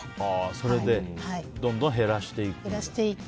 それでどんどん減らしていく。